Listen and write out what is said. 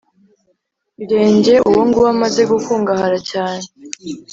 Mirenge uwo nguwo amaze gukungahara cyane